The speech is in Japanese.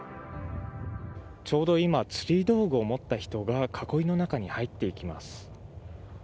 ちょうど今、釣り道具を持った人が囲いの中に入っていきます。